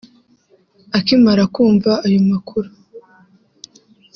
Akimara kumva ayo makuru